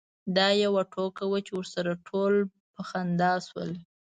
دا یوه ټوکه وه چې ورسره ټول په خندا شول.